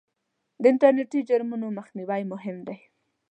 د انټرنېټي جرمونو مخنیوی مهم دی.